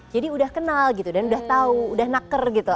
jadi udah kenal gitu dan udah tahu udah naker gitu